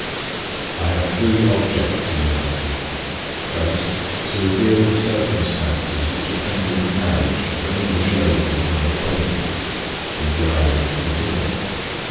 "I have three objects in writing. First, to reveal the circumstances which attended the marriage of an English lady of my acquaintance, in the island of Madeira.